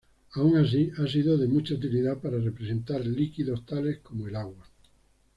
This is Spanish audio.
Aun así, ha sido de mucha utilidad para representar líquidos tales como el agua.